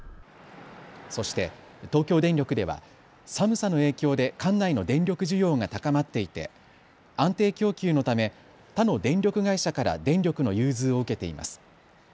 そして東京電力では寒さの影響で管内の電力需要が高まっていて安定供給のため他の電力会社から電力の融通を受けています。